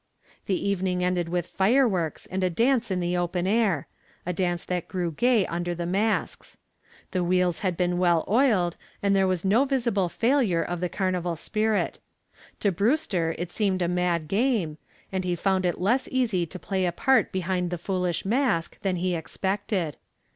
The evening ended with fireworks and a dance in the open air, a dance that grew gay under the masks. The wheels had been well oiled and there was no visible failure of the carnival spirit. To Brewster it seemed a mad game, and he found it less easy to play a part behind the foolish mask than he expected.